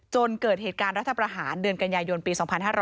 จนเกิดเหตุการณ์รัฐประหารเดือนกันยายนปี๒๕๕๙